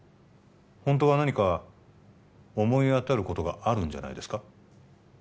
ホントは何か思い当たることがあるんじゃないですか